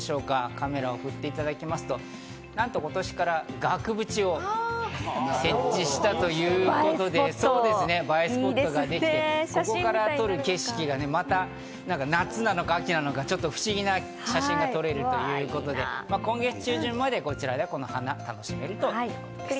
カメラを振っていただきますと、なんと今年から額縁を設置したということで、映えスポットができて、ここから撮る景色がまた夏なのか秋なのか不思議な写真が撮れるということで、今月中旬までこちらでこの花が楽しめるということです。